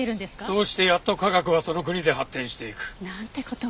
そうしてやっと科学はその国で発展していく。なんて事を。